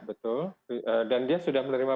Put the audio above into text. betul dan dia sudah menerima